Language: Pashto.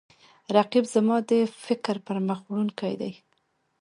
رقیب زما د فکر پرمخ وړونکی دی